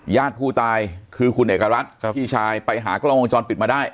ญาติผู้ตายคือคุณเอกรัฐพี่ชายไปหากล้องวงจรปิดมาได้